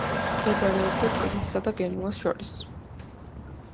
მდებარეობდა ტურინსა და გენუას შორის.